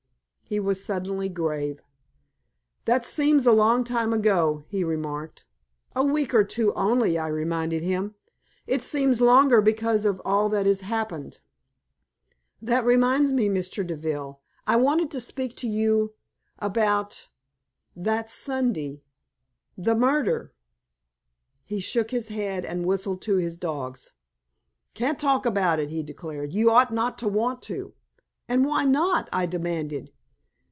He was suddenly grave. "That seems a long time ago," he remarked. "A week or two only," I reminded him. "It seems longer, because of all that has happened. That reminds me, Mr. Deville. I wanted to speak to you about that Sunday the murder!" He shook his head, and whistled to his dogs. "Can't talk about it," he declared. "You ought not to want to." "And why not?" I demanded.